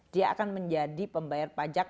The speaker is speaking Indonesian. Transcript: dia akan menjadi pembayar pajak